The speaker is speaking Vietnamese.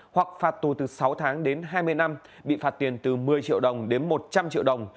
hoặc phạt tù từ sáu tháng đến hai mươi năm bị phạt tiền từ một mươi triệu đồng đến một trăm linh triệu đồng